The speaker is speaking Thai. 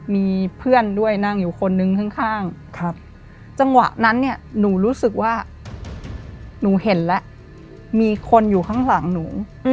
มีเพื่อนด้วยนั่งอยู่คนนึงข้างจังหวะนั้นเนี่ยหนูรู้สึกว่าหนูเห็นแล้วมีคนอยู่ข้างหลังหนู